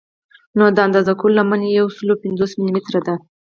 نو د اندازه کولو لمنه یې یو سل او پنځوس ملي متره ده.